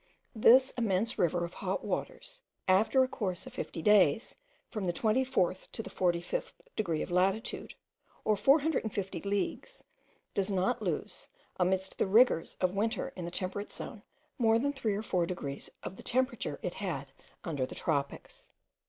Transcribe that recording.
This immense river of hot waters, after a course of fifty days, from the 24th to the 45th degree of latitude, or 450 leagues, does not lose, amidst the rigours of winter in the temperate zone, more than 3 or 4 degrees of the temperature it had under the tropics.